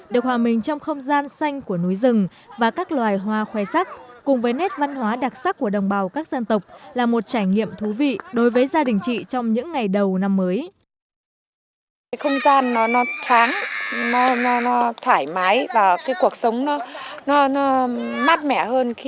được hòa mình trong không gian xanh của núi rừng và các loài hoa khoe sắc cùng với nét văn hóa đặc sắc của đồng bào các dân tộc là một trải nghiệm thú vị đối với gia đình chị trong những ngày đầu năm mới